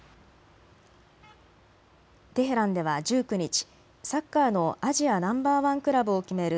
テヘランでは１９日、サッカーのアジアナンバー１クラブを決める